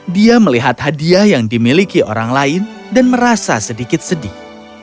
dia melihat hadiah yang dimiliki orang lain dan merasa sedikit sedih